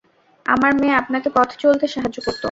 আমার মেয়ে আমাকে পথ চলতে সাহায্য করত।